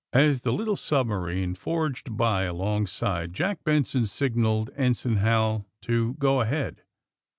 ' As the little submarine forged by alongside Jack Benson signaled Ensign Hal to go ahead.